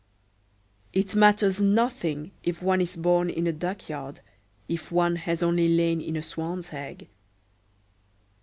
It matters nothing if one is born in a duck yard, if one has only lain in a swan's egg.